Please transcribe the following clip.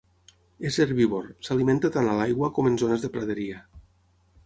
És herbívor, s'alimenta tant a l'aigua com en zones de praderia.